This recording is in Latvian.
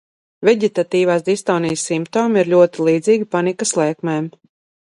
Veģetatīvās distonijas simptomi ir ļoti līdzīgi panikas lēkmēm.